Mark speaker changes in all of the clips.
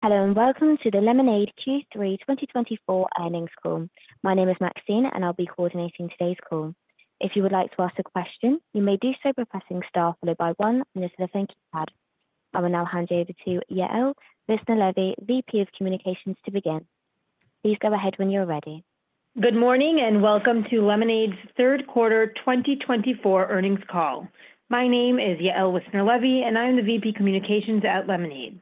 Speaker 1: Hello, and welcome to the Lemonade Q3 2024 Earnings Call. My name is Maxine, and I'll be coordinating today's call. If you would like to ask a question, you may do so by pressing star followed by one on your touchtone pad. I will now hand you over to Yael Wissner-Levy, VP of Communications, to begin. Please go ahead when you're ready.
Speaker 2: Good morning, and welcome to Lemonade's third quarter 2024 earnings call. My name is Yael Wissner-Levy, and I'm the VP Communications at Lemonade.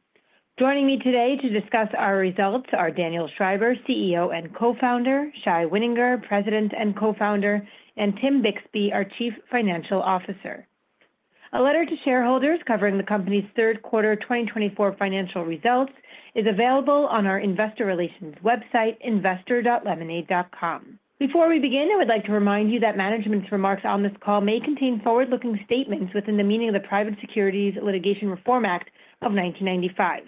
Speaker 2: Joining me today to discuss our results are Daniel Schreiber, CEO and Co-Founder, Shai Wininger, President and Co-Founder, and Tim Bixby, our Chief Financial Officer. A letter to shareholders covering the company's third quarter 2024 financial results is available on our investor relations website, investor.lemonade.com. Before we begin, I would like to remind you that management's remarks on this call may contain forward-looking statements within the meaning of the Private Securities Litigation Reform Act of 1995.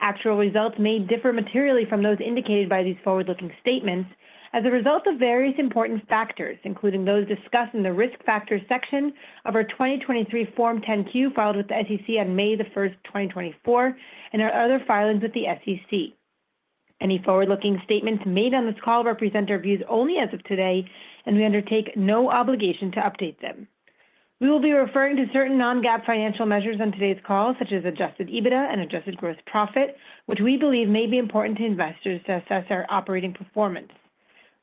Speaker 2: Actual results may differ materially from those indicated by these forward-looking statements as a result of various important factors, including those discussed in the risk factor section of our 2023 Form 10-Q filed with the SEC on May 1, 2024, and our other filings with the SEC. Any forward-looking statements made on this call represent our views only as of today, and we undertake no obligation to update them. We will be referring to certain non-GAAP financial measures on today's call, such as adjusted EBITDA and adjusted gross profit, which we believe may be important to investors to assess our operating performance.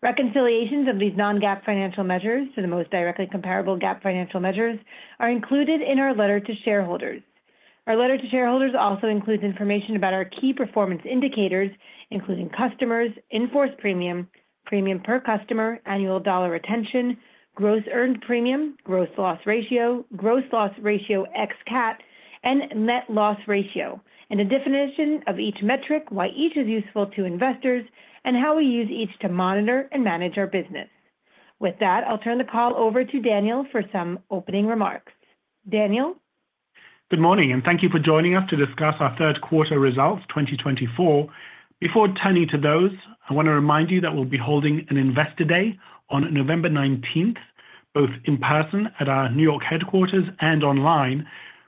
Speaker 2: Reconciliations of these non-GAAP financial measures to the most directly comparable GAAP financial measures are included in our letter to shareholders. Our letter to shareholders also includes information about our key performance indicators, including customers, In-Force premium, premium per customer, annual dollar retention, gross earned premium, gross loss ratio, gross loss ratio ex-CAT, and net loss ratio, and a definition of each metric, why each is useful to investors, and how we use each to monitor and manage our business. With that, I'll turn the call over to Daniel for some opening remarks. Daniel?
Speaker 3: Good morning, and thank you for joining us to discuss our third quarter results 2024. Before turning to those, I want to remind you that we'll be holding an Investor Day on November 19, both in person at our New York headquarters and online.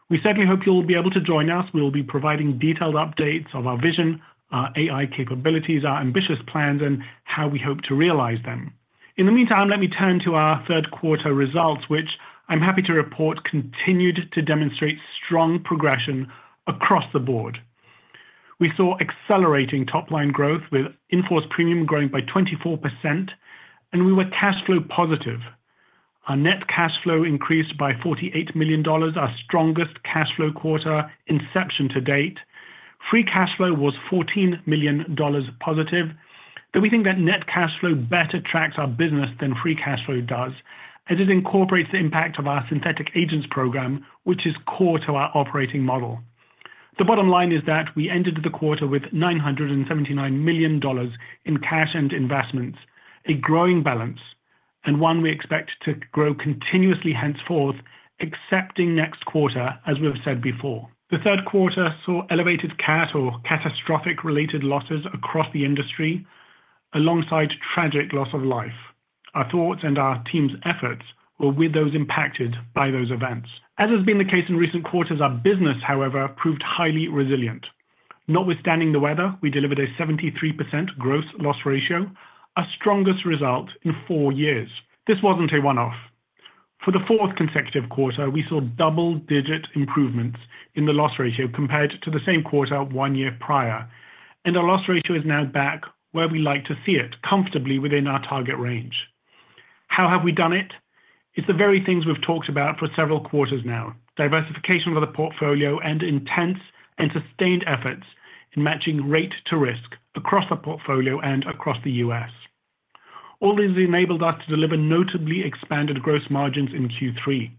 Speaker 3: We certainly hope you'll be able to join us. We'll be providing detailed updates of our vision, our AI capabilities, our ambitious plans, and how we hope to realize them. In the meantime, let me turn to our third quarter results, which I'm happy to report continued to demonstrate strong progression across the board. We saw accelerating top-line growth, with In-Force premium growing by 24%, and we were cash flow positive. Our net cash flow increased by $48 million, our strongest cash flow quarter inception to date. Free cash flow was $14 million positive. Though we think that net cash flow better tracks our business than free cash flow does, as it incorporates the impact of our synthetic agents program, which is core to our operating model. The bottom line is that we ended the quarter with $979 million in cash and investments, a growing balance, and one we expect to grow continuously henceforth, excepting next quarter, as we've said before. The third quarter saw elevated CAT or Catastrophic related losses across the industry, alongside tragic loss of life. Our thoughts and our team's efforts were with those impacted by those events. As has been the case in recent quarters, our business, however, proved highly resilient. Notwithstanding the weather, we delivered a 73% gross loss ratio, our strongest result in four years. This wasn't a one-off. For the fourth consecutive quarter, we saw double-digit improvements in the loss ratio compared to the same quarter one year prior, and our loss ratio is now back where we like to see it, comfortably within our target range. How have we done it? It's the very things we've talked about for several quarters now: diversification of the portfolio and intense and sustained efforts in matching rate to risk across the portfolio and across the U.S. All these enabled us to deliver notably expanded gross margins in Q3.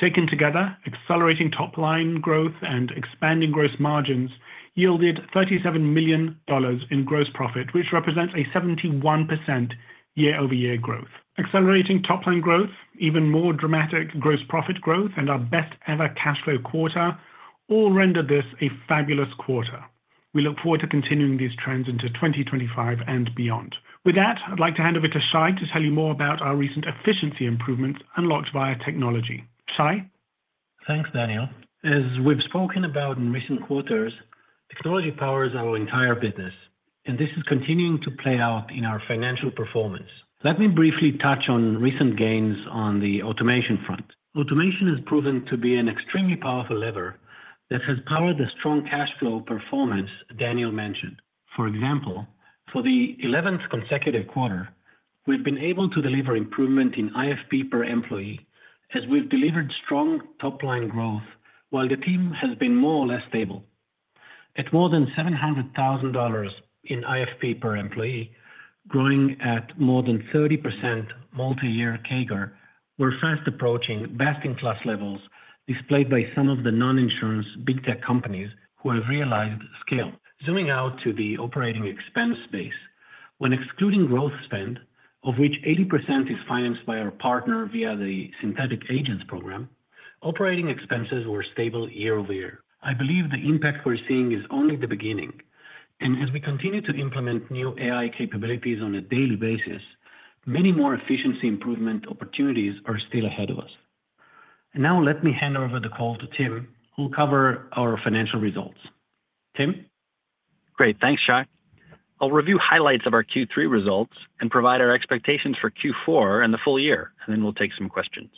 Speaker 3: Taken together, accelerating top-line growth and expanding gross margins yielded $37 million in gross profit, which represents a 71% year-over-year growth. Accelerating top-line growth, even more dramatic gross profit growth, and our best-ever cash flow quarter all rendered this a fabulous quarter. We look forward to continuing these trends into 2025 and beyond. With that, I'd like to hand over to Shai to tell you more about our recent efficiency improvements unlocked via technology. Shai.
Speaker 4: Thanks, Daniel. As we've spoken about in recent quarters, technology powers our entire business, and this is continuing to play out in our financial performance. Let me briefly touch on recent gains on the automation front. Automation has proven to be an extremely powerful lever that has powered the strong cash flow performance Daniel mentioned. For example, for the 11th consecutive quarter, we've been able to deliver improvement in IFP per employee, as we've delivered strong top-line growth while the team has been more or less stable. At more than $700,000 in IFP per employee, growing at more than 30% multi-year CAGR, we're fast approaching best-in-class levels displayed by some of the non-insurance big tech companies who have realized scale. Zooming out to the operating expense space, when excluding growth spend, of which 80% is financed by our partner via the synthetic agents program, operating expenses were stable year over year. I believe the impact we're seeing is only the beginning, and as we continue to implement new AI capabilities on a daily basis, many more efficiency improvement opportunities are still ahead of us. Now, let me hand over the call to Tim, who'll cover our financial results. Tim?
Speaker 5: Great. Thanks, Shai. I'll review highlights of our Q3 results and provide our expectations for Q4 and the full year, and then we'll take some questions.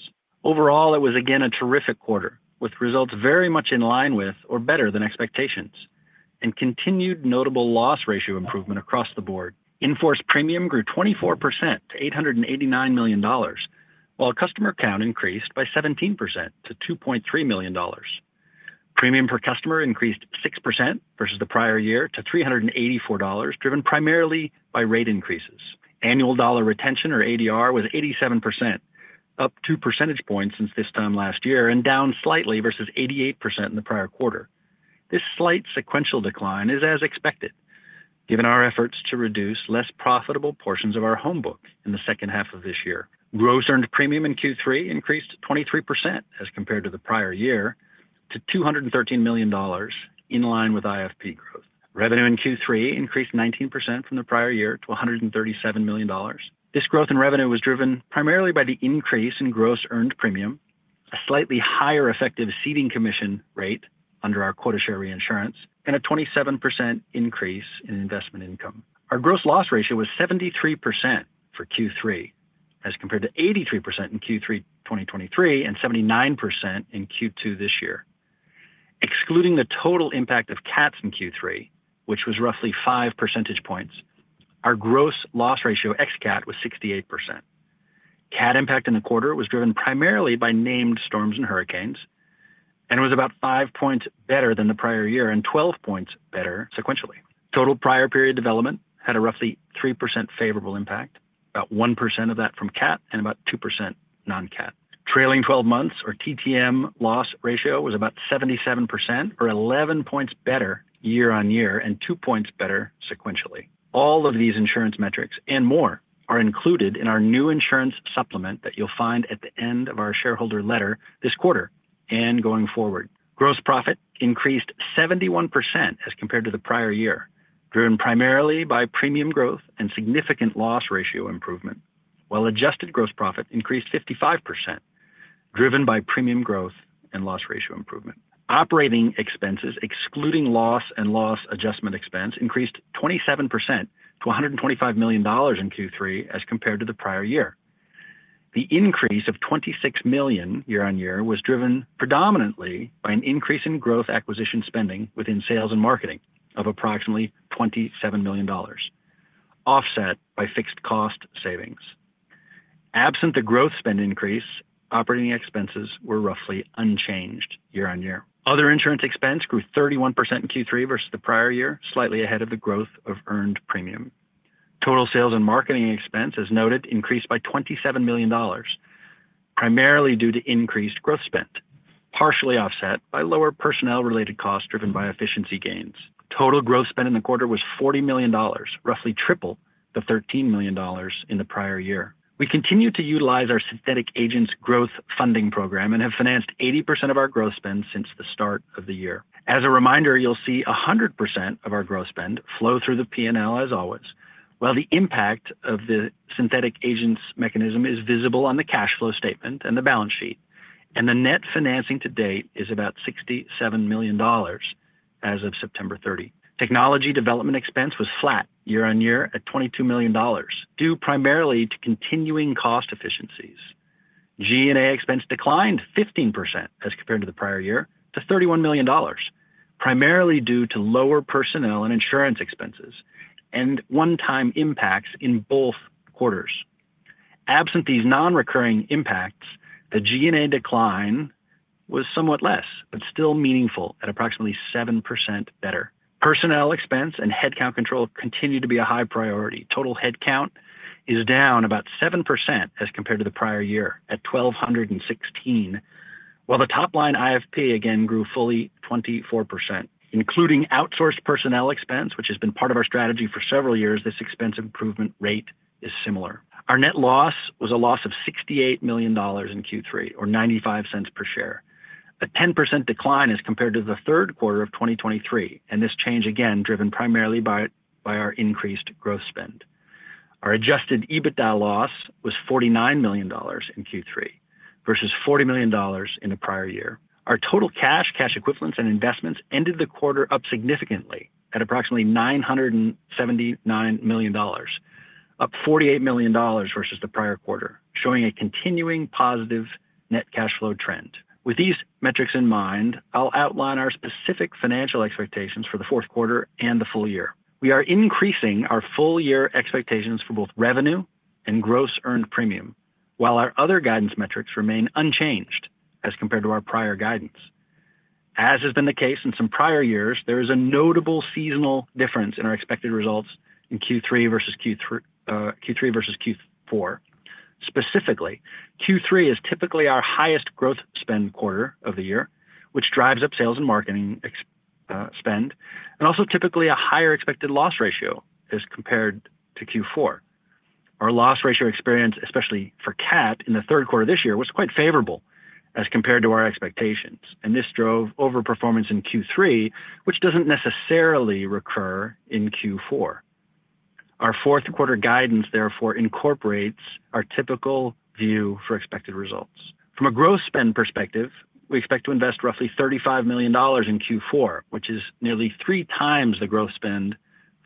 Speaker 5: Overall, it was again a terrific quarter, with results very much in line with or better than expectations and continued notable loss ratio improvement across the board. In force premium grew 24% to $889 million, while customer count increased by 17% to $2.3 million. Premium per customer increased 6% versus the prior year to $384, driven primarily by rate increases. Annual dollar retention, or ADR, was 87%, up two percentage points since this time last year and down slightly versus 88% in the prior quarter. This slight sequential decline is as expected, given our efforts to reduce less profitable portions of our home book in the second half of this year. Gross earned premium in Q3 increased 23% as compared to the prior year to $213 million, in line with IFP growth. Revenue in Q3 increased 19% from the prior year to $137 million. This growth in revenue was driven primarily by the increase in gross earned premium, a slightly higher effective ceding commission rate under our quota share reinsurance, and a 27% increase in investment income. Our gross loss ratio was 73% for Q3, as compared to 83% in Q3 2023 and 79% in Q2 this year. Excluding the total impact of CATs in Q3, which was roughly 5 percentage points, our gross loss ratio ex-CAT was 68%. CAT impact in the quarter was driven primarily by named storms and hurricanes, and it was about 5 points better than the prior year and 12 points better sequentially. Total prior period development had a roughly 3% favorable impact, about 1% of that from CAT and about 2% non-CAT. Trailing 12 months, or TTM, loss ratio was about 77%, or 11 points better year on year and 2 points better sequentially. All of these insurance metrics and more are included in our new insurance supplement that you'll find at the end of our shareholder letter this quarter and going forward. Gross profit increased 71% as compared to the prior year, driven primarily by premium growth and significant loss ratio improvement, while adjusted gross profit increased 55%, driven by premium growth and loss ratio improvement. Operating expenses, excluding loss and loss adjustment expense, increased 27% to $125 million in Q3 as compared to the prior year. The increase of $26 million year on year was driven predominantly by an increase in growth acquisition spending within sales and marketing of approximately $27 million, offset by fixed cost savings. Absent the growth spend increase, operating expenses were roughly unchanged year on year. Other insurance expense grew 31% in Q3 versus the prior year, slightly ahead of the growth of earned premium. Total sales and marketing expense, as noted, increased by $27 million, primarily due to increased growth spend, partially offset by lower personnel-related costs driven by efficiency gains. Total growth spend in the quarter was $40 million, roughly triple the $13 million in the prior year. We continue to utilize our Synthetic Agents growth funding program and have financed 80% of our growth spend since the start of the year. As a reminder, you'll see 100% of our growth spend flow through the P&L as always, while the impact of the Synthetic Agents mechanism is visible on the cash flow statement and the balance sheet, and the net financing to date is about $67 million as of September 30. Technology development expense was flat year on year at $22 million, due primarily to continuing cost efficiencies. G&A expense declined 15% as compared to the prior year to $31 million, primarily due to lower personnel and insurance expenses and one-time impacts in both quarters. Absent these non-recurring impacts, the G&A decline was somewhat less, but still meaningful at approximately 7% better. Personnel expense and headcount control continue to be a high priority. Total headcount is down about 7% as compared to the prior year at 1,216, while the top-line IFP again grew fully 24%. Including outsourced personnel expense, which has been part of our strategy for several years, this expense improvement rate is similar. Our net loss was a loss of $68 million in Q3, or $0.95 per share, a 10% decline as compared to the third quarter of 2023, and this change again driven primarily by our increased growth spend. Our adjusted EBITDA loss was $49 million in Q3 versus $40 million in the prior year. Our total cash, cash equivalents, and investments ended the quarter up significantly at approximately $979 million, up $48 million versus the prior quarter, showing a continuing positive net cash flow trend. With these metrics in mind, I'll outline our specific financial expectations for the fourth quarter and the full year. We are increasing our full-year expectations for both revenue and gross earned premium, while our other guidance metrics remain unchanged as compared to our prior guidance. As has been the case in some prior years, there is a notable seasonal difference in our expected results in Q3 versus Q4. Specifically, Q3 is typically our highest growth spend quarter of the year, which drives up sales and marketing spend, and also typically a higher expected loss ratio as compared to Q4. Our loss ratio experience, especially for CAT in the third quarter this year, was quite favorable as compared to our expectations, and this drove overperformance in Q3, which doesn't necessarily recur in Q4. Our fourth quarter guidance, therefore, incorporates our typical view for expected results. From a growth spend perspective, we expect to invest roughly $35 million in Q4, which is nearly three times the growth spend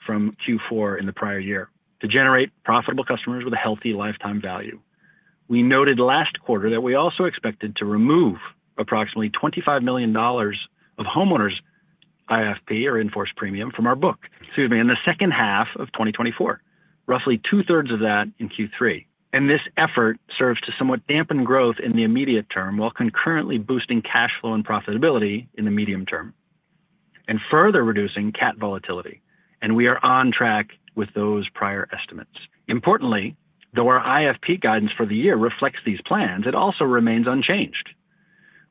Speaker 5: from Q4 in the prior year, to generate profitable customers with a healthy lifetime value. We noted last quarter that we also expected to remove approximately $25 million of homeowners' IFP or In-Force premium from our book, excuse me, in the second half of 2024, roughly 2/3 of that in Q3, and this effort serves to somewhat dampen growth in the immediate term while concurrently boosting cash flow and profitability in the medium term and further reducing CAT volatility, and we are on track with those prior estimates. Importantly, though our IFP guidance for the year reflects these plans, it also remains unchanged.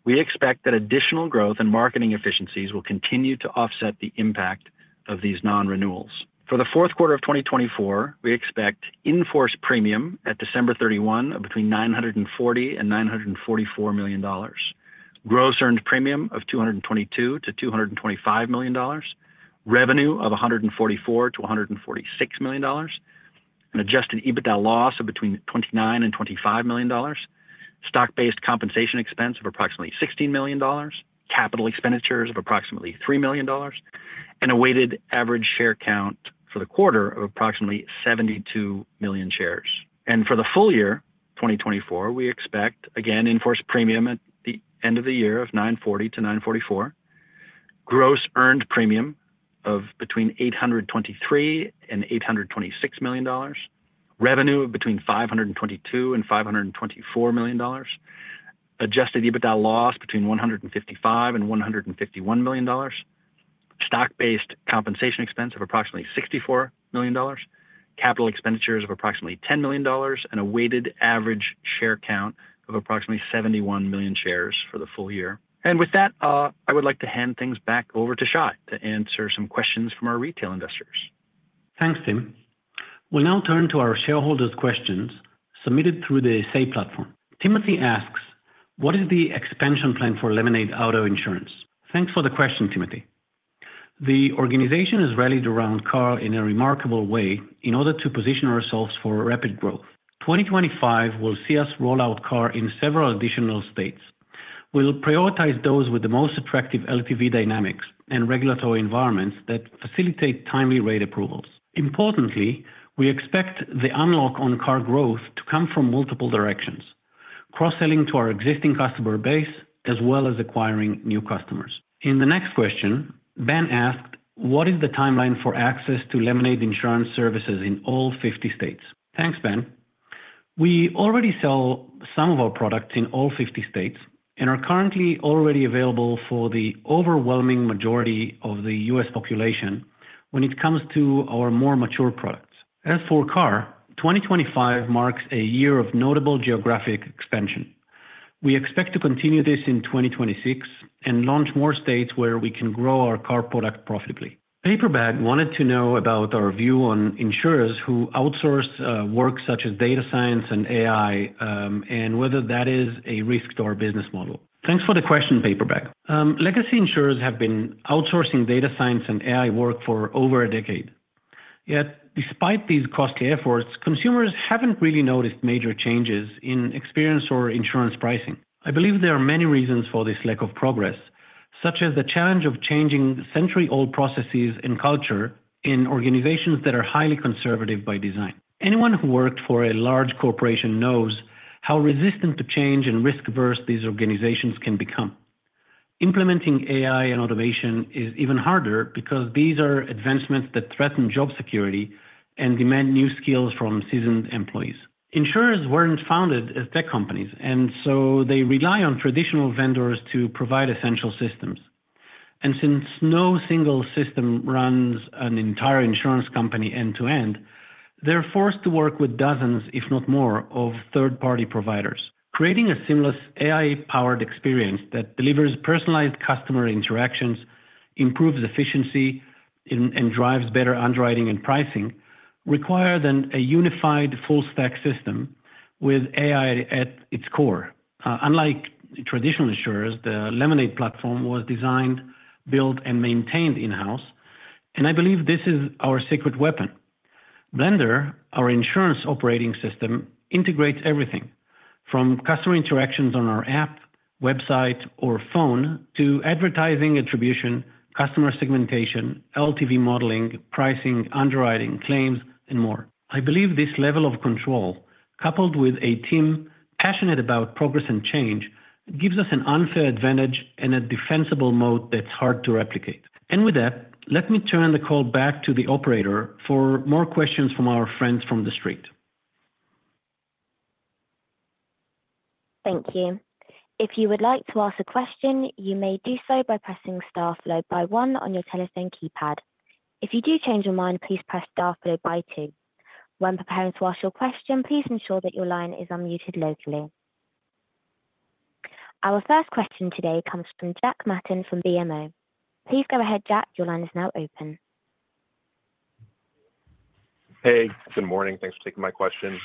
Speaker 5: We expect that additional growth and marketing efficiencies will continue to offset the impact of these non-renewals. For the fourth quarter of 2024, we expect In-Force premium at December 31 of between $940 million and $944 million, Gross Earned Premium of $222 million to $225 million, revenue of $144 million to $146 million, an adjusted EBITDA loss of between $29 million and $25 million, Stock-Based Compensation expense of approximately $16 million, Capital Expenditures of approximately $3 million, and a weighted average share count for the quarter of approximately 72 million shares. And for the full year, 2024, we expect, again, In-Force premium at the end of the year of $940 million to $944 million, Gross Earned Premium of between $823 million and $826 million, revenue between $522 million and $524 million, adjusted EBITDA loss between $155 million and $151 million, Stock-Based Compensation expense of approximately $64 million, Capital Expenditures of approximately $10 million, and a weighted average share count of approximately 71 million shares for the full year. With that, I would like to hand things back over to Shai to answer some questions from our retail investors.
Speaker 4: Thanks, Tim. We'll now turn to our shareholders' questions submitted through the Say Platform. Timothy asks, "What is the expansion plan for Lemonade Auto Insurance?" Thanks for the question, Timothy. The organization has rallied around Car in a remarkable way in order to position ourselves for rapid growth. 2025 will see us roll out Car in several additional states. We'll prioritize those with the most attractive LTV dynamics and regulatory environments that facilitate timely rate approvals. Importantly, we expect the unlock on Car growth to come from multiple directions, cross-selling to our existing customer base as well as acquiring new customers. In the next question, Ben asked, "What is the timeline for access to Lemonade Insurance services in all 50 states?" Thanks, Ben. We already sell some of our products in all 50 states and are currently already available for the overwhelming majority of the U.S. population when it comes to our more mature products. As for Car, 2025 marks a year of notable geographic expansion. We expect to continue this in 2026 and launch more states where we can grow our Car product profitably. Paperbag wanted to know about our view on insurers who outsource work such as data science and AI and whether that is a risk to our business model. Thanks for the question, Paperbag. Legacy insurers have been outsourcing data science and AI work for over a decade. Yet, despite these costly efforts, consumers haven't really noticed major changes in experience or insurance pricing. I believe there are many reasons for this lack of progress, such as the challenge of changing century-old processes and culture in organizations that are highly conservative by design. Anyone who worked for a large corporation knows how resistant to change and risk-averse these organizations can become. Implementing AI and automation is even harder because these are advancements that threaten job security and demand new skills from seasoned employees. Insurers weren't founded as tech companies, and so they rely on traditional vendors to provide essential systems. And since no single system runs an entire insurance company end-to-end, they're forced to work with dozens, if not more, of third-party providers. Creating a seamless AI-powered experience that delivers personalized customer interactions, improves efficiency, and drives better underwriting and pricing requires a unified full-stack system with AI at its core. Unlike traditional insurers, the Lemonade platform was designed, built, and maintained in-house, and I believe this is our secret weapon. Blender, our insurance operating system, integrates everything from customer interactions on our app, website, or phone to advertising attribution, customer segmentation, LTV modeling, pricing, underwriting, claims, and more. I believe this level of control, coupled with a team passionate about progress and change, gives us an unfair advantage and a defensible moat that's hard to replicate. And with that, let me turn the call back to the operator for more questions from our friends from the street.
Speaker 1: Thank you. If you would like to ask a question, you may do so by pressing star followed by one on your telephone keypad. If you do change your mind, please press star followed by two. When preparing to ask your question, please ensure that your line is unmuted locally. Our first question today comes from Jack Matten from BMO. Please go ahead, Jack. Your line is now open.
Speaker 6: Hey, good morning. Thanks for taking my question.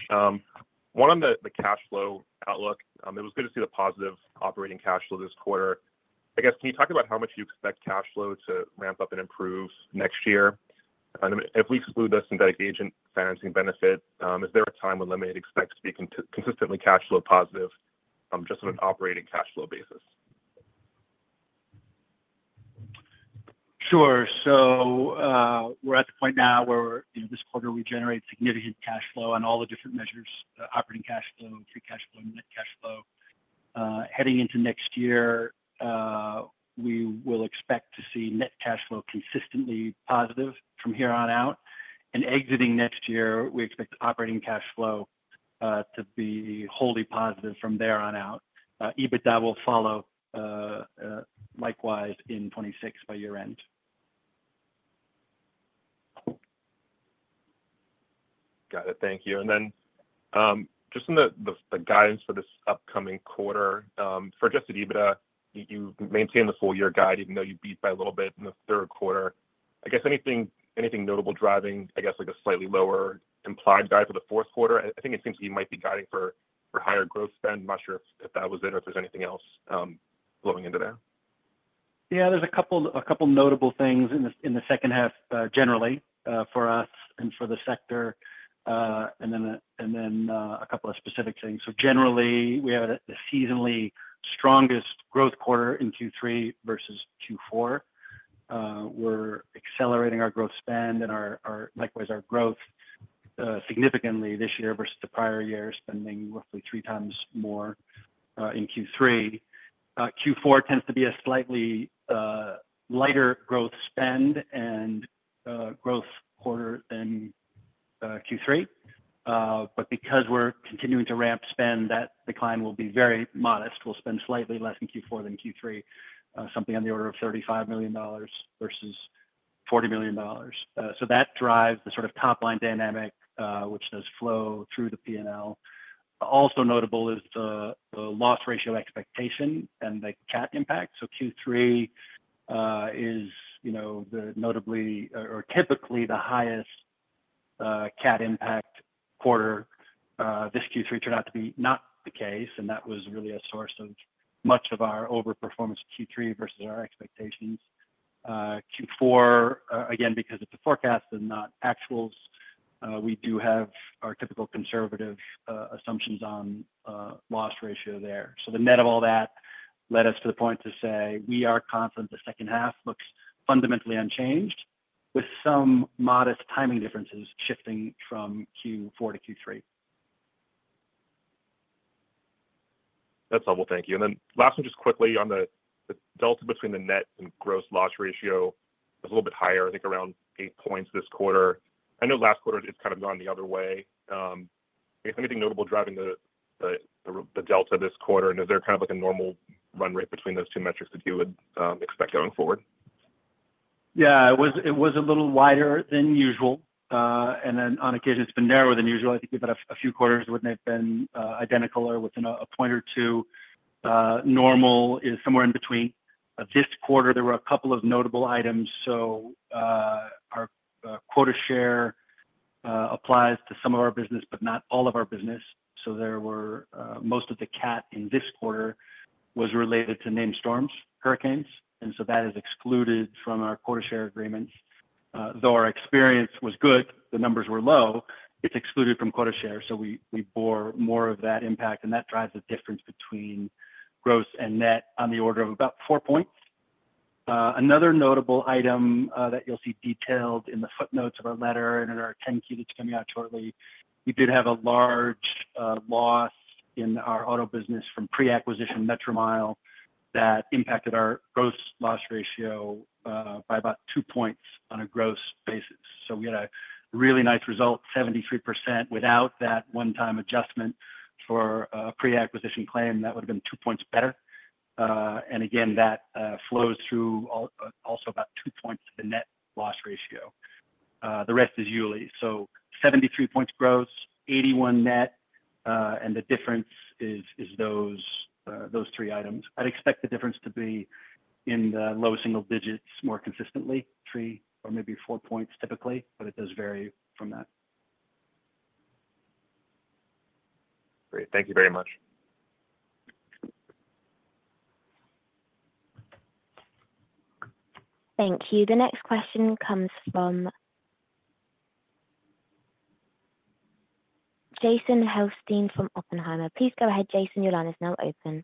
Speaker 6: One on the cash flow outlook, it was good to see the positive operating cash flow this quarter. I guess, can you talk about how much you expect cash flow to ramp up and improve next year? If we exclude the Synthetic Agent financing benefit, is there a time when Lemonade expects to be consistently cash flow positive just on an operating cash flow basis?
Speaker 5: Sure. We're at the point now where this quarter we generate significant cash flow on all the different measures: operating cash flow, free cash flow, net cash flow. Heading into next year, we will expect to see net cash flow consistently positive from here on out. And exiting next year, we expect operating cash flow to be wholly positive from there on out. EBITDA will follow likewise in 2026 by year-end.
Speaker 6: Got it. Thank you. And then just in the guidance for this upcoming quarter, for adjusted EBITDA, you maintain the full-year guide, even though you beat by a little bit in the third quarter. I guess anything notable driving, I guess, like a slightly lower implied guide for the fourth quarter? I think it seems like you might be guiding for higher growth spend. I'm not sure if that was it or if there's anything else flowing into there.
Speaker 5: Yeah, there's a couple notable things in the second half generally for us and for the sector, and then a couple of specific things. So generally, we had a seasonally strongest growth quarter in Q3 versus Q4. We're accelerating our growth spend and likewise our growth significantly this year versus the prior year, spending roughly three times more in Q3. Q4 tends to be a slightly lighter growth spend and growth quarter than Q3. But because we're continuing to ramp spend, that decline will be very modest. We'll spend slightly less in Q4 than Q3, something on the order of $35 million versus $40 million. So that drives the sort of top-line dynamic, which does flow through the P&L. Also notable is the loss ratio expectation and the CAT impact. So Q3 is notably or typically the highest CAT impact quarter. This Q3 turned out to be not the case, and that was really a source of much of our overperformance Q3 versus our expectations. Q4, again, because of the forecast and not actuals, we do have our typical conservative assumptions on loss ratio there. So the net of all that led us to the point to say we are confident the second half looks fundamentally unchanged, with some modest timing differences shifting from Q4 to Q3.
Speaker 6: That's helpful. Thank you. And then last one, just quickly on the delta between the net and gross loss ratio. It's a little bit higher, I think, around eight points this quarter. I know last quarter it's kind of gone the other way. I guess anything notable driving the delta this quarter? And is there kind of like a normal run rate between those two metrics that you would expect going forward?
Speaker 5: Yeah, it was a little wider than usual, and then on occasion it's been narrower than usual. I think we've had a few quarters that wouldn't have been identical or within 1 point or 2. Normal is somewhere in between. This quarter, there were a couple of notable items. So our quota share applies to some of our business, but not all of our business. So most of the CAT in this quarter was related to named storms, hurricanes, and so that is excluded from our quota share agreements. Though our experience was good, the numbers were low, it's excluded from quota share. So we bore more of that impact, and that drives the difference between gross and net on the order of about 4 points. Another notable item that you'll see detailed in the footnotes of our letter and in our 10-Q that's coming out shortly. We did have a large loss in our auto business from pre-acquisition Metromile that impacted our gross loss ratio by about 2 points on a gross basis. So we had a really nice result, 73%, without that one-time adjustment for a pre-acquisition claim. That would have been two points better. And again, that flows through also about 2 points to the net loss ratio. The rest is really. So 73% gross, 81% net, and the difference is those three items. I'd expect the difference to be in the low single digits more consistently, 3 or maybe 4 points typically, but it does vary from that.
Speaker 6: Great. Thank you very much.
Speaker 1: Thank you. The next question comes from Jason Helfstein from Oppenheimer. Please go ahead, Jason. Your line is now open.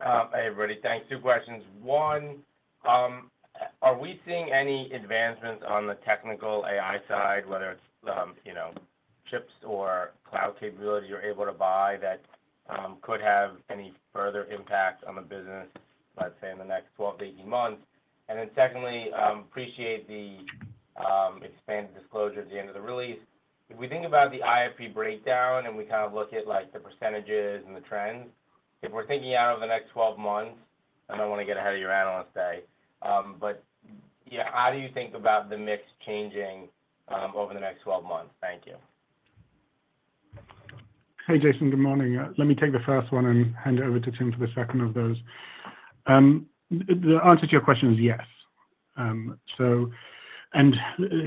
Speaker 7: Hey, everybody. Thanks. Two questions. One, are we seeing any advancements on the technical AI side, whether it's chips or cloud capability you're able to buy that could have any further impact on the business, let's say, in the next 12-18 months? And then secondly, appreciate the expanded disclosure at the end of the release. If we think about the IFP breakdown and we kind of look at the percentages and the trends, if we're thinking out over the next 12 months, I don't want to get ahead of your analyst day, but how do you think about the mix changing over the next 12 months? Thank you.
Speaker 4: Hey, Jason. Good morning. Let me take the first one and hand it over to Tim for the second of those. The answer to your question is yes. And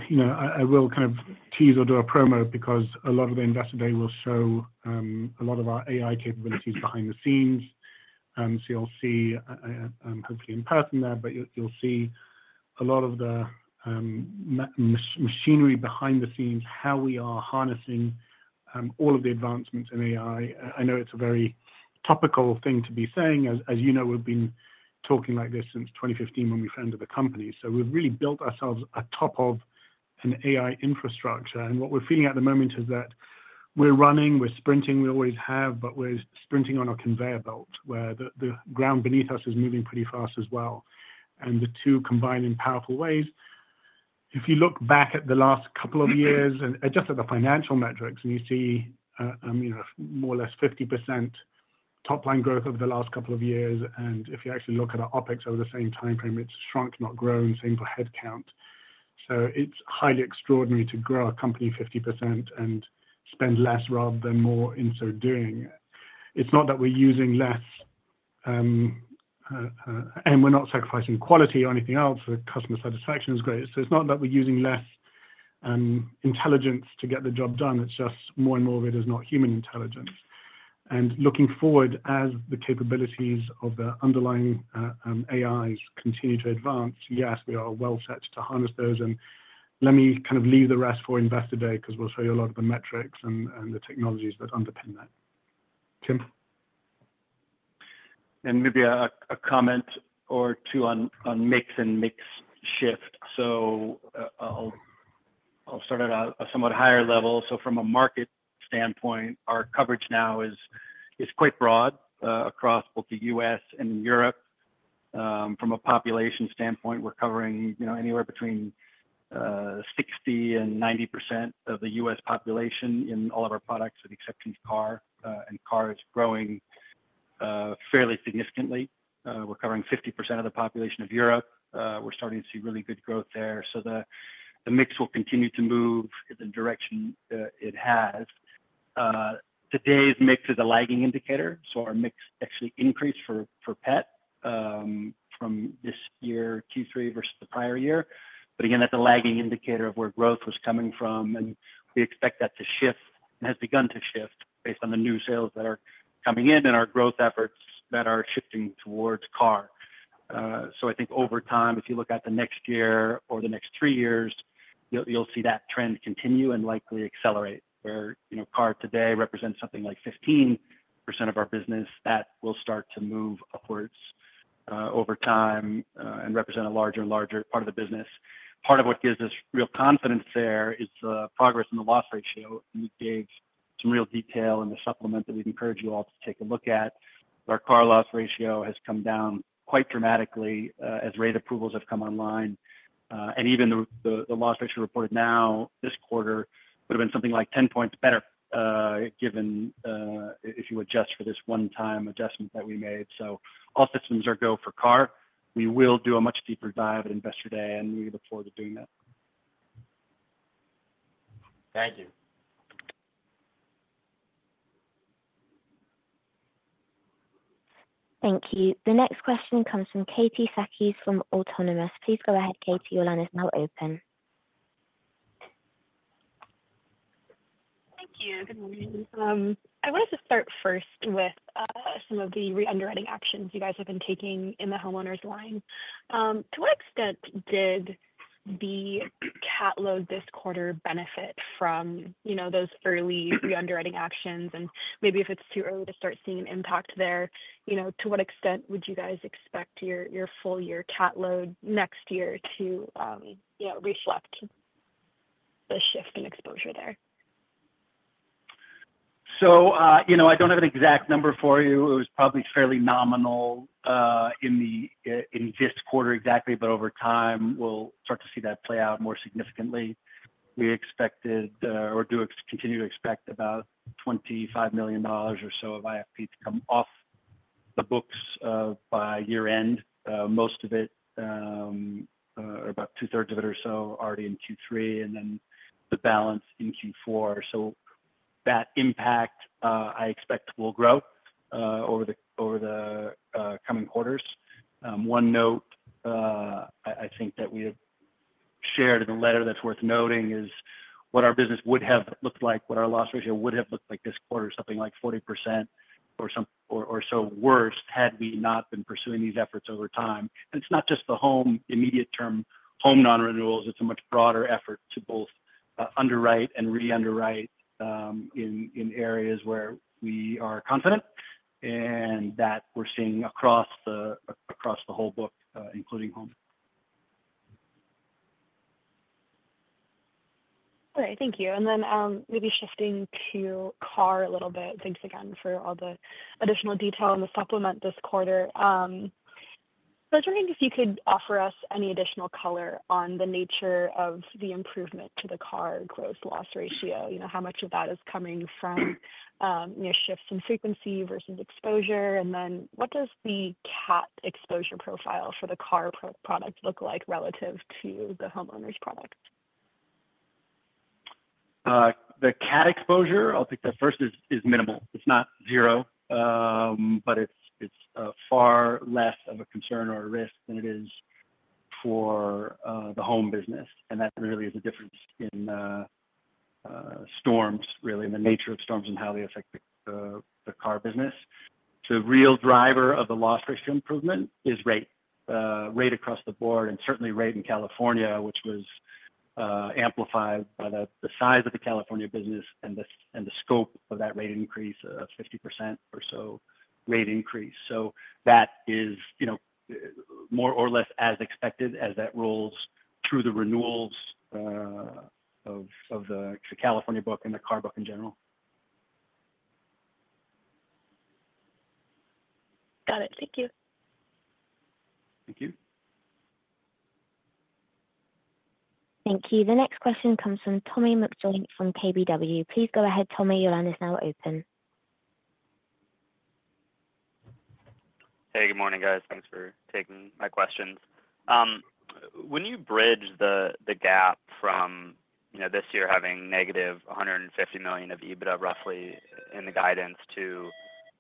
Speaker 4: I will kind of tease or do a promo because a lot of the Investor Day will show a lot of our AI capabilities behind the scenes. So you'll see, hopefully in person there, but you'll see a lot of the machinery behind the scenes, how we are harnessing all of the advancements in AI. I know it's a very topical thing to be saying. As you know, we've been talking like this since 2015 when we founded the company. So we've really built ourselves atop an AI infrastructure. What we're feeling at the moment is that we're running, we're sprinting, we always have, but we're sprinting on a conveyor belt where the ground beneath us is moving pretty fast as well. The two combine in powerful ways. If you look back at the last couple of years and just at the financial metrics, and you see more or less 50% top-line growth over the last couple of years. If you actually look at our OpEx over the same timeframe, it's shrunk, not grown. Same for headcount. It's highly extraordinary to grow a company 50% and spend less rather than more in so doing. It's not that we're using less, and we're not sacrificing quality or anything else. The customer satisfaction is great. It's not that we're using less intelligence to get the job done. It's just more and more of it is not human intelligence. And looking forward, as the capabilities of the underlying AIs continue to advance, yes, we are well set to harness those. And let me kind of leave the rest for Investor Day because we'll show you a lot of the metrics and the technologies that underpin that. Tim?
Speaker 3: And maybe a comment or two on mix and mix shift. So I'll start at a somewhat higher level. So from a market standpoint, our coverage now is quite broad across both the U.S. and in Europe. From a population standpoint, we're covering anywhere between 60%-90% of the U.S. population in all of our products, with the exception of Car, and Car is growing fairly significantly. We're covering 50% of the population of Europe. We're starting to see really good growth there. So the mix will continue to move in the direction it has. Today's mix is a lagging indicator. So our mix actually increased for pet from this year, Q3 versus the prior year. But again, that's a lagging indicator of where growth was coming from. We expect that to shift and has begun to shift based on the new sales that are coming in and our growth efforts that are shifting towards Car. I think over time, if you look at the next year or the next three years, you'll see that trend continue and likely accelerate. Where Car today represents something like 15% of our business, that will start to move upwards over time and represent a larger and larger part of the business. Part of what gives us real confidence there is the progress in the loss ratio. We gave some real detail in the supplement that we'd encourage you all to take a look at. Our Car loss ratio has come down quite dramatically as rate approvals have come online. Even the loss ratio reported now this quarter would have been something like 10 points better given if you adjust for this one-time adjustment that we made. All systems are go for Car. We will do a much deeper dive at Investor Day, and we look forward to doing that.
Speaker 7: Thank you.
Speaker 1: Thank you. The next question comes from Katie Sakys from Autonomous. Please go ahead, Katie. Your line is now open.
Speaker 8: Thank you. Good morning. I wanted to start first with some of the re-underwriting actions you guys have been taking in the homeowners line. To what extent did the CAT load this quarter benefit from those early re-underwriting actions? And maybe if it's too early to start seeing an impact there, to what extent would you guys expect your full-year CAT load next year to reflect the shift in exposure there?
Speaker 5: I don't have an exact number for you. It was probably fairly nominal in this quarter exactly, but over time, we'll start to see that play out more significantly. We expected or do continue to expect about $25 million or so of IFP to come off the books by year-end. Most of it, or about 2/3 of it or so, already in Q3, and then the balance in Q4. So that impact I expect will grow over the coming quarters. One note I think that we have shared in the letter that's worth noting is what our business would have looked like, what our loss ratio would have looked like this quarter, something like 40% or so worse had we not been pursuing these efforts over time. And it's not just the home immediate-term home non-renewals. It's a much broader effort to both underwrite and re-underwrite in areas where we are confident and that we're seeing across the whole book, including home.
Speaker 8: All right. Thank you. And then maybe shifting to Car a little bit. Thanks again for all the additional detail in the supplement this quarter. I was wondering if you could offer us any additional color on the nature of the improvement to the Car gross loss ratio. How much of that is coming from shifts in frequency versus exposure? And then what does the CAT exposure profile for the Car product look like relative to the homeowners product?
Speaker 3: The CAT exposure, I'll pick that first, is minimal. It's not zero, but it's far less of a concern or a risk than it is for the home business. And that really is a difference in storms, really, and the nature of storms and how they affect the Car business. So the real driver of the loss ratio improvement is rate. Rate across the board, and certainly rate in California, which was amplified by the size of the California business and the scope of that rate increase of 50% or so rate increase. So that is more or less as expected as that rolls through the renewals of the California book and the Car book in general.
Speaker 8: Got it. Thank you.
Speaker 3: Thank you.
Speaker 1: Thank you. The next question comes from Tommy McJoynt from KBW. Please go ahead, Tommy. Your line is now open.
Speaker 9: Hey, good morning, guys. Thanks for taking my questions. When you bridge the gap from this year having negative $150 million of EBITDA, roughly, in the guidance to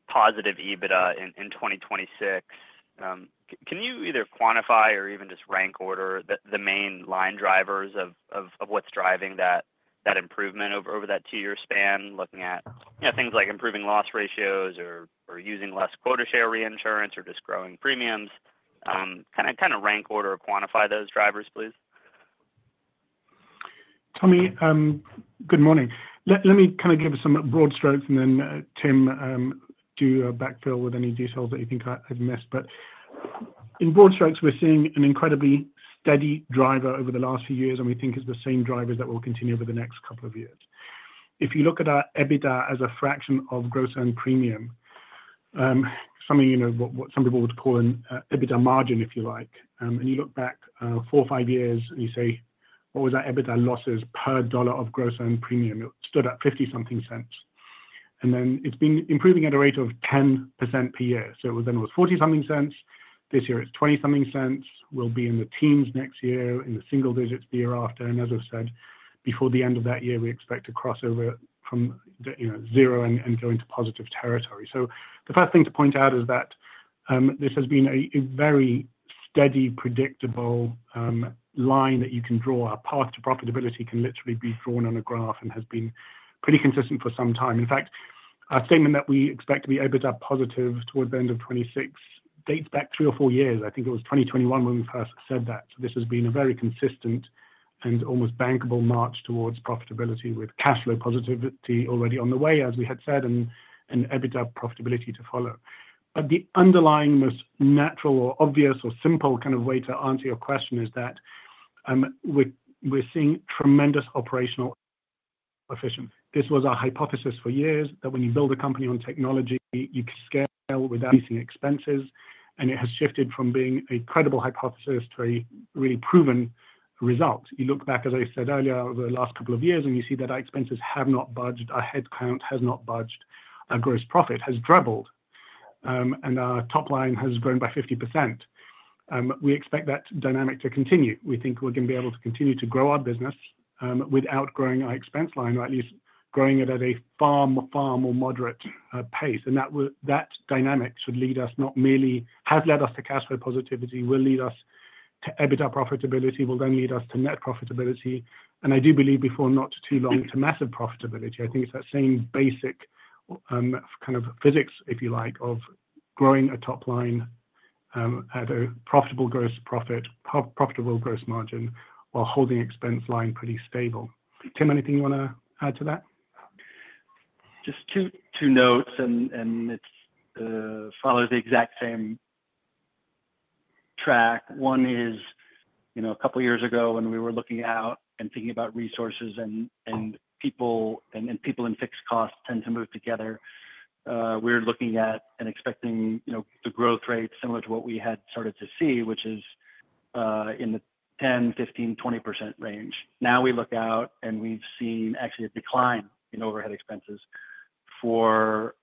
Speaker 9: positive EBITDA in 2026, can you either quantify or even just rank order the main line drivers of what's driving that improvement over that two-year span, looking at things like improving loss ratios or using less quota share reinsurance or just growing premiums? Kind of rank order or quantify those drivers, please.
Speaker 4: Tommy, good morning. Let me kind of give some broad strokes, and then Tim, do a backfill with any details that you think I've missed, but in broad strokes, we're seeing an incredibly steady driver over the last few years, and we think it's the same drivers that will continue over the next couple of years. If you look at our EBITDA as a fraction of gross earned premium, something some people would call an EBITDA margin, if you like, and you look back four or five years and you say, "What was our EBITDA losses per dollar of gross earned premium?" It stood at $0.50-something, and then it's been improving at a rate of 10% per year, so it was $0.40-something. This year it's $0.20-something. We'll be in the teens next year, in the single digits the year after. As I've said, before the end of that year, we expect to cross over from zero and go into positive territory. The first thing to point out is that this has been a very steady, predictable line that you can draw. Our path to profitability can literally be drawn on a graph and has been pretty consistent for some time. In fact, our statement that we expect to be EBITDA positive towards the end of 2026 dates back three or four years. I think it was 2021 when we first said that. This has been a very consistent and almost bankable march towards profitability with cash flow positivity already on the way, as we had said, and EBITDA profitability to follow. The underlying most natural or obvious or simple kind of way to answer your question is that we're seeing tremendous operational efficiency. This was our hypothesis for years that when you build a company on technology, you can scale without increasing expenses, and it has shifted from being a credible hypothesis to a really proven result. You look back, as I said earlier, over the last couple of years, and you see that our expenses have not budged. Our headcount has not budged. Our gross profit has dribbled, and our top line has grown by 50%. We expect that dynamic to continue. We think we're going to be able to continue to grow our business without growing our expense line, or at least growing it at a far more moderate pace, and that dynamic should lead us not merely have led us to cash flow positivity. It will lead us to EBITDA profitability. It will then lead us to net profitability, and I do believe before not too long to massive profitability. I think it's that same basic kind of physics, if you like, of growing a top line at a profitable gross profit, profitable gross margin, while holding expense line pretty stable. Tim, anything you want to add to that?
Speaker 5: Just two notes, and it follows the exact same track. One is a couple of years ago when we were looking out and thinking about resources and people, and people in fixed costs tend to move together. We were looking at and expecting the growth rate similar to what we had started to see, which is in the 10%, 15%, 20% range. Now we look out, and we've seen actually a decline in overhead expenses for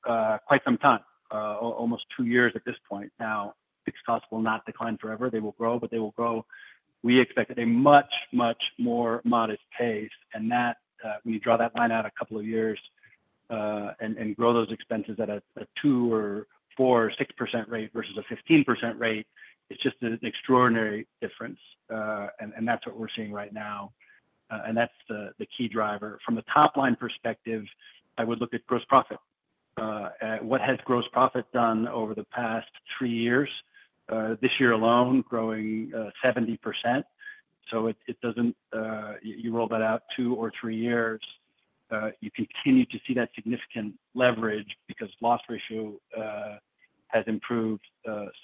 Speaker 5: quite some time, almost two years at this point. Now, fixed costs will not decline forever. They will grow, but they will grow. We expect at a much, much more modest pace. And when you draw that line out a couple of years and grow those expenses at a 2% or 4% or 6% rate versus a 15% rate, it's just an extraordinary difference. And that's what we're seeing right now. That's the key driver. From a top-line perspective, I would look at gross profit. What has gross profit done over the past three years? This year alone, growing 70%. You roll that out two or three years, you continue to see that significant leverage because loss ratio has improved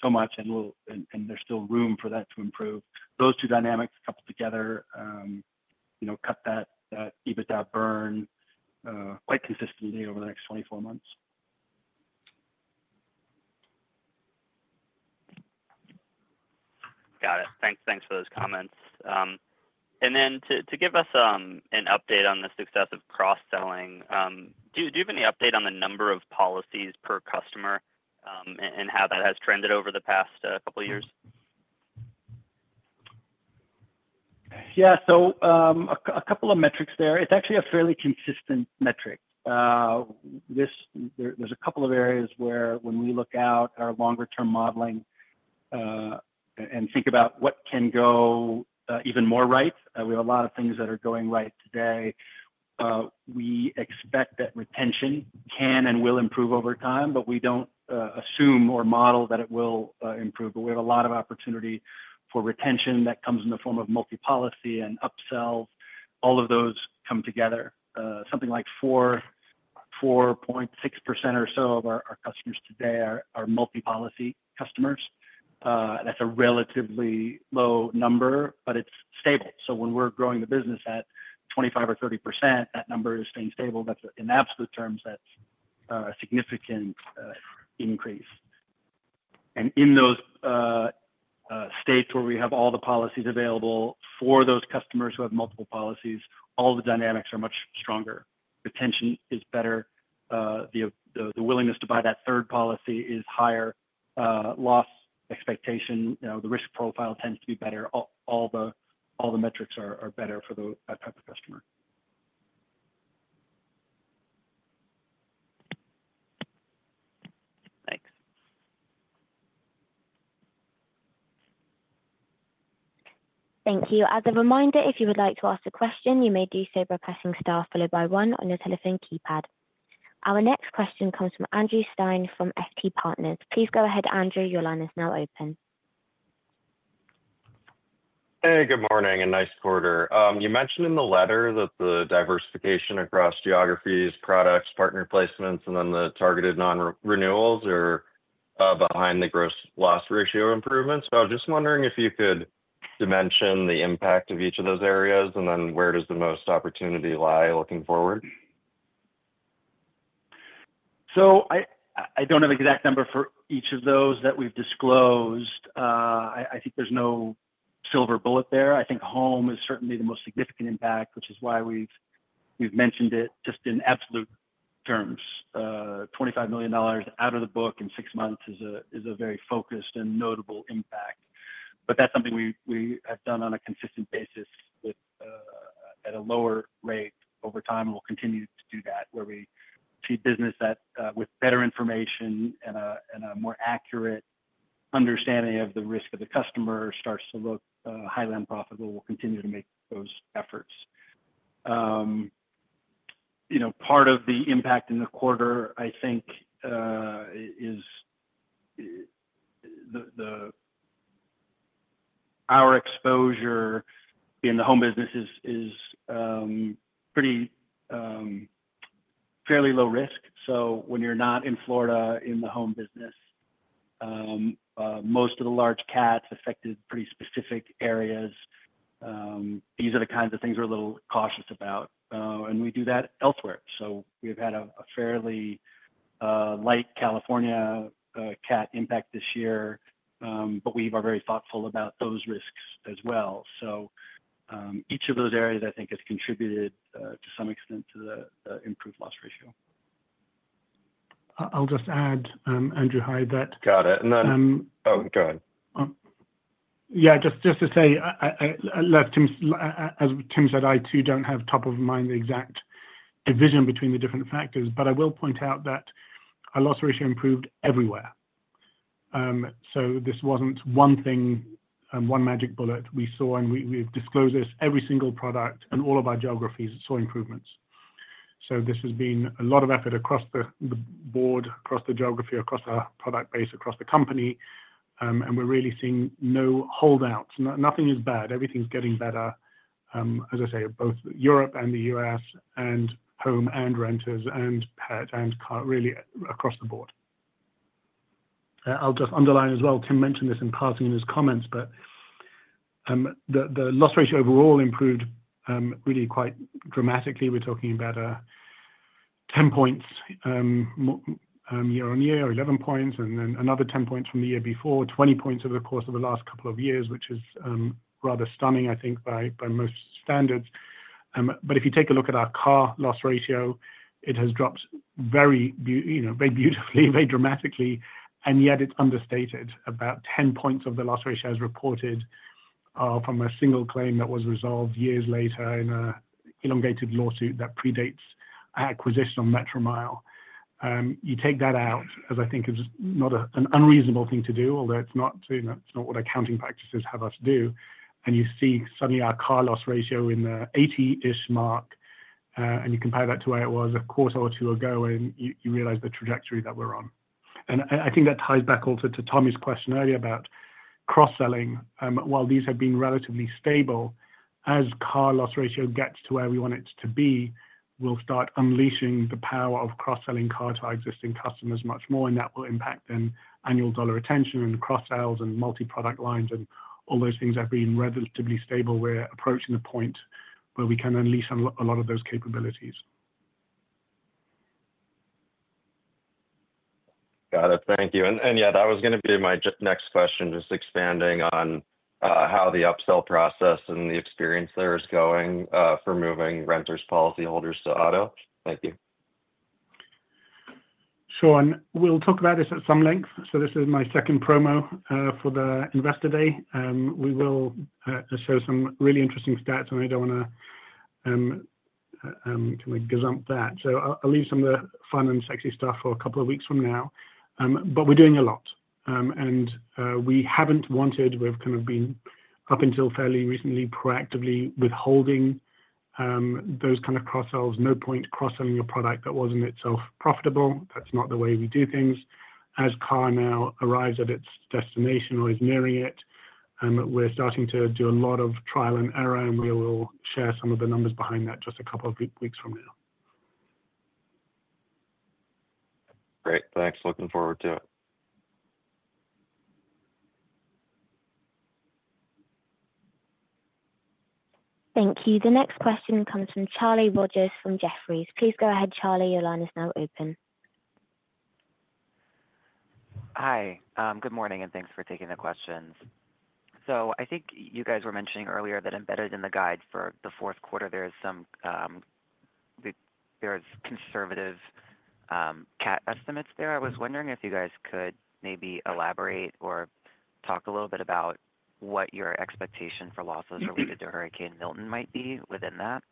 Speaker 5: so much, and there's still room for that to improve. Those two dynamics coupled together cut that EBITDA burn quite consistently over the next 24 months.
Speaker 9: Got it. Thanks for those comments. And then to give us an update on the success of cross-selling, do you have any update on the number of policies per customer and how that has trended over the past couple of years?
Speaker 5: Yeah. So a couple of metrics there. It's actually a fairly consistent metric. There's a couple of areas where when we look out our longer-term modeling and think about what can go even more right. We have a lot of things that are going right today. We expect that retention can and will improve over time, but we don't assume or model that it will improve. But we have a lot of opportunity for retention that comes in the form of multi-policy and upsells. All of those come together. Something like 4.6% or so of our customers today are multi-policy customers. That's a relatively low number, but it's stable. So when we're growing the business at 25% or 30%, that number is staying stable. In absolute terms, that's a significant increase. In those states where we have all the policies available for those customers who have multiple policies, all the dynamics are much stronger. Retention is better. The willingness to buy that third policy is higher. Loss expectation, the risk profile tends to be better. All the metrics are better for that type of customer.
Speaker 9: Thanks.
Speaker 1: Thank you. As a reminder, if you would like to ask a question, you may do so by pressing star followed by one on your telephone keypad. Our next question comes from Andrew Stein from FT Partners. Please go ahead, Andrew. Your line is now open.
Speaker 10: Hey, good morning. A nice quarter. You mentioned in the letter that the diversification across geographies, products, partner placements, and then the targeted non-renewals are behind the gross loss ratio improvements. So I was just wondering if you could dimension the impact of each of those areas, and then where does the most opportunity lie looking forward?
Speaker 5: I don't have an exact number for each of those that we've disclosed. I think there's no silver bullet there. I think home is certainly the most significant impact, which is why we've mentioned it just in absolute terms. $25 million out of the book in six months is a very focused and notable impact. But that's something we have done on a consistent basis at a lower rate over time, and we'll continue to do that where we see business that with better information and a more accurate understanding of the risk of the customer starts to look highly unprofitable, we'll continue to make those efforts. Part of the impact in the quarter, I think, is our exposure in the home business is fairly low risk. So when you're not in Florida in the home business, most of the large CATs affected pretty specific areas. These are the kinds of things we're a little cautious about. And we do that elsewhere. So we've had a fairly light California CAT impact this year, but we are very thoughtful about those risks as well. So each of those areas, I think, has contributed to some extent to the improved loss ratio.
Speaker 4: I'll just add, Andrew. Hi that.
Speaker 10: Got it, and then oh, go ahead.
Speaker 4: Yeah. Just to say, as Tim said, I too don't have top of mind the exact division between the different factors, but I will point out that our loss ratio improved everywhere. So this wasn't one thing, one magic bullet. We saw, and we've disclosed this, every single product in all of our geographies saw improvements. So this has been a lot of effort across the board, across the geography, across our product base, across the company. And we're really seeing no holdouts. Nothing is bad. Everything's getting better, as I say, both Europe and the U.S. and home and renters and pet and really across the board. I'll just underline as well. Tim mentioned this in passing in his comments, but the loss ratio overall improved really quite dramatically. We're talking about 10 points year on year, 11 points, and then another 10 points from the year before, 20 points over the course of the last couple of years, which is rather stunning, I think, by most standards. But if you take a look at our Car loss ratio, it has dropped very beautifully, very dramatically, and yet it's understated. About 10 points of the loss ratio as reported from a single claim that was resolved years later in an elongated lawsuit that predates acquisition on Metromile. You take that out, as I think is not an unreasonable thing to do, although it's not what accounting practices have us do. And you see suddenly our Car loss ratio in the 80-ish mark, and you compare that to where it was a quarter or two ago, and you realize the trajectory that we're on. I think that ties back also to Tommy's question earlier about cross-selling. While these have been relatively stable, as Car loss ratio gets to where we want it to be, we'll start unleashing the power of cross-selling Car to our existing customers much more, and that will impact then annual dollar retention and cross-sales and multi-product lines and all those things that have been relatively stable. We're approaching the point where we can unleash a lot of those capabilities.
Speaker 10: Got it. Thank you. And yeah, that was going to be my next question, just expanding on how the upsell process and the experience there is going for moving renters' policyholders to auto. Thank you.
Speaker 4: Sure, and we'll talk about this at some length, so this is my second promo for the Investor Day. We will show some really interesting stats, and I don't want to gazump that. So I'll leave some of the fun and sexy stuff for a couple of weeks from now. But we're doing a lot, and we haven't wanted, we've kind of been up until fairly recently proactively withholding those kind of cross-sells, no point cross-selling a product that wasn't itself profitable. That's not the way we do things. As Car now arrives at its destination or is nearing it, we're starting to do a lot of trial and error, and we will share some of the numbers behind that just a couple of weeks from now.
Speaker 10: Great. Thanks. Looking forward to it.
Speaker 1: Thank you. The next question comes from Charlie Rodgers from Jefferies. Please go ahead, Charlie. Your line is now open.
Speaker 11: Hi. Good morning, and thanks for taking the questions. So I think you guys were mentioning earlier that embedded in the guide for the fourth quarter, there's conservative CAT estimates there. I was wondering if you guys could maybe elaborate or talk a little bit about what your expectation for losses related to Hurricane Milton might be within that?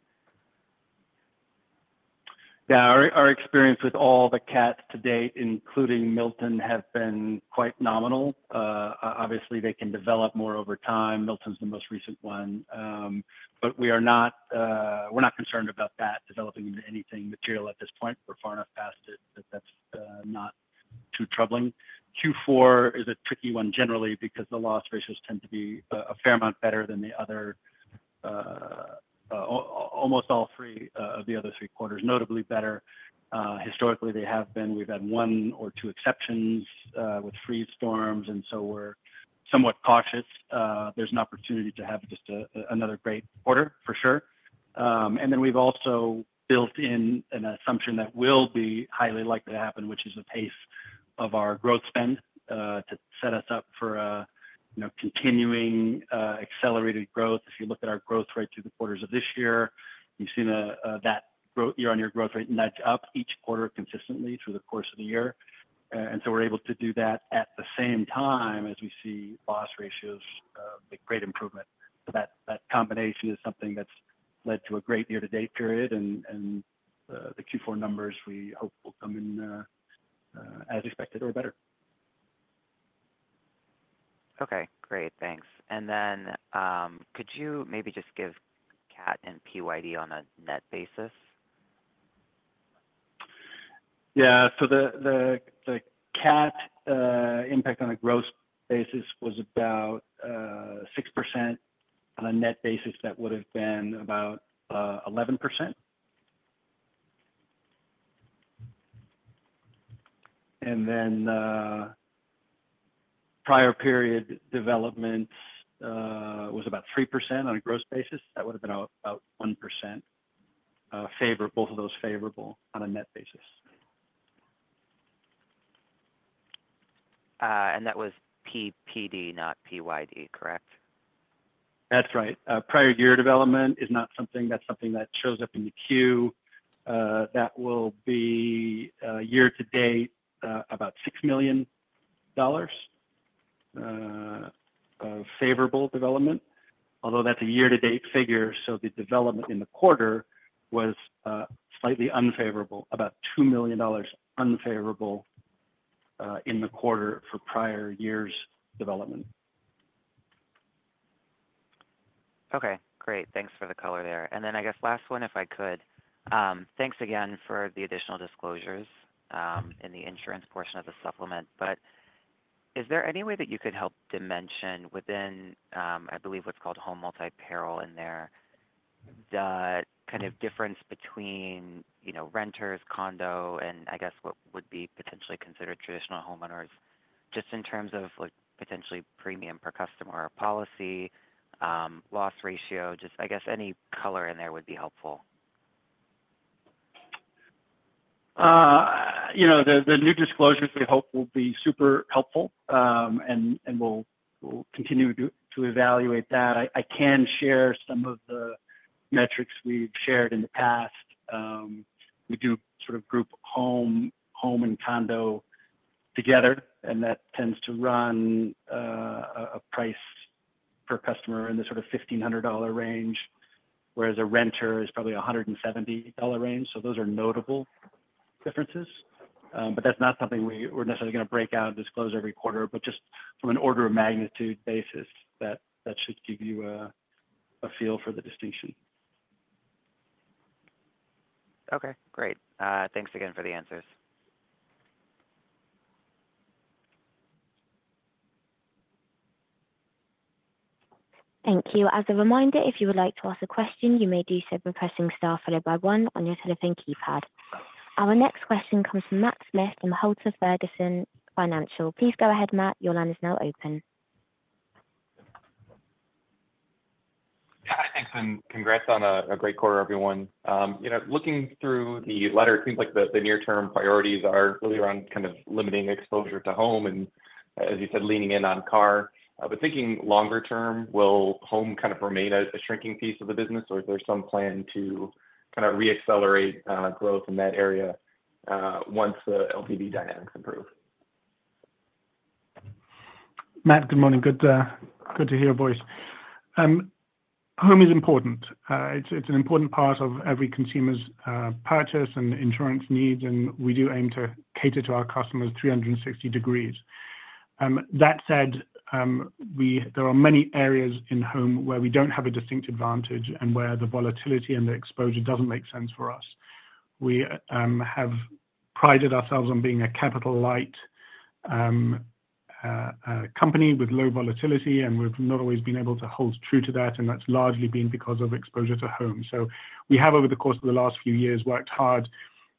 Speaker 3: Yeah. Our experience with all the CATs to date, including Milton, have been quite nominal. Obviously, they can develop more over time. Milton's the most recent one. But we're not concerned about that developing into anything material at this point. We're far enough past it that that's not too troubling. Q4 is a tricky one generally because the loss ratios tend to be a fair amount better than the other almost all three of the other three quarters. Notably better historically, they have been. We've had one or two exceptions with freeze storms, and so we're somewhat cautious. There's an opportunity to have just another great quarter for sure. And then we've also built in an assumption that will be highly likely to happen, which is the pace of our growth spend to set us up for continuing accelerated growth. If you look at our growth rate through the quarters of this year, you've seen that year-on-year growth rate nudge up each quarter consistently through the course of the year. And so we're able to do that at the same time as we see loss ratios make great improvement. That combination is something that's led to a great year-to-date period, and the Q4 numbers we hope will come in as expected or better.
Speaker 11: Okay. Great. Thanks. And then could you maybe just give CAT and PPD on a net basis?
Speaker 3: Yeah. So the CAT impact on a gross basis was about 6%. On a net basis, that would have been about 11%. And then prior period development was about 3% on a gross basis. That would have been about 1%, both of those favorable on a net basis.
Speaker 11: That was PPD, not PYD, correct?
Speaker 3: That's right. Prior year development is not something that shows up in the Q. That will be year-to-date about $6 million of favorable development, although that's a year-to-date figure. So the development in the quarter was slightly unfavorable, about $2 million unfavorable in the quarter for prior years' development.
Speaker 11: Okay. Great. Thanks for the color there. And then I guess last one, if I could. Thanks again for the additional disclosures in the insurance portion of the supplement. But is there any way that you could help dimension within, I believe, what's called home multi-peril in there, the kind of difference between renters, condo, and I guess what would be potentially considered traditional homeowners just in terms of potentially premium per customer or policy, loss ratio? Just I guess any color in there would be helpful.
Speaker 5: The new disclosures we hope will be super helpful, and we'll continue to evaluate that. I can share some of the metrics we've shared in the past. We do sort of group home and condo together, and that tends to run a price per customer in the sort of $1,500 range, whereas a renter is probably a $170 range. So those are notable differences. But that's not something we're necessarily going to break out and disclose every quarter, but just from an order of magnitude basis that should give you a feel for the distinction.
Speaker 11: Okay. Great. Thanks again for the answers.
Speaker 1: Thank you. As a reminder, if you would like to ask a question, you may do so by pressing star followed by one on your telephone keypad. Our next question comes from Matt Smith from Halter Ferguson Financial. Please go ahead, Matt. Your line is now open.
Speaker 12: Yeah. Thanks. And congrats on a great quarter, everyone. Looking through the letter, it seems like the near-term priorities are really around kind of limiting exposure to home and, as you said, leaning in on Car. But thinking longer term, will home kind of remain a shrinking piece of the business, or is there some plan to kind of re-accelerate growth in that area once the LTV dynamics improve?
Speaker 4: Matt, good morning. Good to hear your voice. Home is important. It's an important part of every consumer's purchase and insurance needs, and we do aim to cater to our customers 360 degrees. That said, there are many areas in home where we don't have a distinct advantage and where the volatility and the exposure doesn't make sense for us. We have prided ourselves on being a capital-light company with low volatility, and we've not always been able to hold true to that, and that's largely been because of exposure to home. So we have, over the course of the last few years, worked hard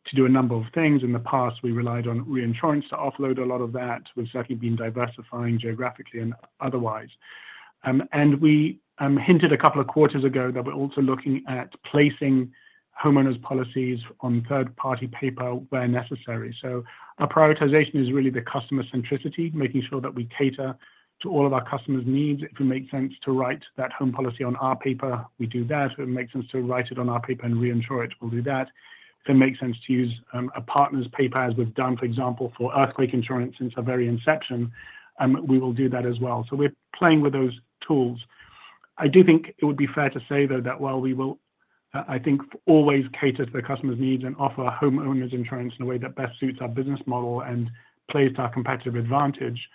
Speaker 4: to do a number of things. In the past, we relied on reinsurance to offload a lot of that. We've certainly been diversifying geographically and otherwise. And we hinted a couple of quarters ago that we're also looking at placing homeowners' policies on third-party paper where necessary. So our prioritization is really the customer-centricity, making sure that we cater to all of our customers' needs. If it makes sense to write that home policy on our paper, we do that. If it makes sense to write it on our paper and reinsure it, we'll do that. If it makes sense to use a partner's paper, as we've done, for example, for earthquake insurance since our very inception, we will do that as well. So we're playing with those tools. I do think it would be fair to say, though, that while we will, I think, always cater to the customer's needs and offer homeowners' insurance in a way that best suits our business model and plays to our competitive advantage,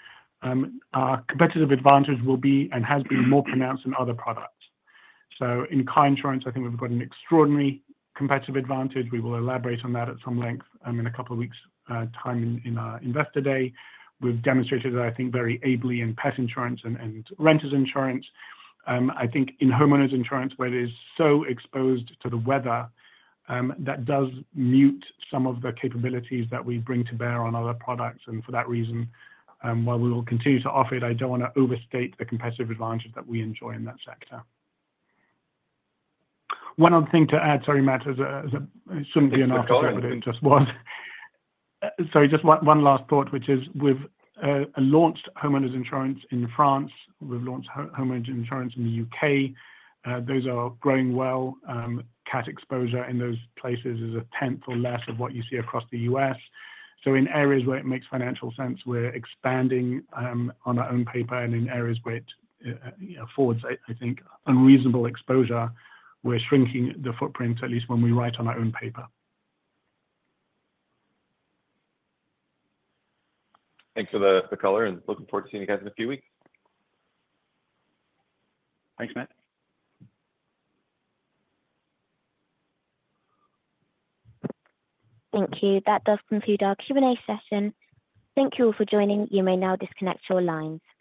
Speaker 4: our competitive advantage will be and has been more pronounced in other products. So in Car insurance, I think we've got an extraordinary competitive advantage. We will elaborate on that at some length in a couple of weeks' time in our Investor Day. We've demonstrated that, I think, very ably in pet insurance and renters' insurance. I think in homeowners' insurance, where it is so exposed to the weather, that does mute some of the capabilities that we bring to bear on other products. And for that reason, while we will continue to offer it, I don't want to overstate the competitive advantage that we enjoy in that sector. One other thing to add, sorry, Matt, it shouldn't be an afterthought, but it just was. Sorry, just one last thought, which is we've launched homeowners' insurance in France. We've launched homeowners' insurance in the U.K. Those are growing well. CAT exposure in those places is a tenth or less of what you see across the U.S. So in areas where it makes financial sense, we're expanding on our own paper. And in areas where it affords, I think, unreasonable exposure, we're shrinking the footprint, at least when we write on our own paper.
Speaker 12: Thanks for the color, and looking forward to seeing you guys in a few weeks.
Speaker 3: Thanks, Matt.
Speaker 1: Thank you. That does conclude our Q&A session. Thank you all for joining. You may now disconnect your lines.